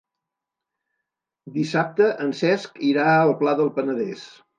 Dissabte en Cesc irà al Pla del Penedès.